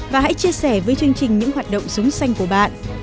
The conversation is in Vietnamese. và hãy chia sẻ với chương trình những hoạt động sống xanh của bạn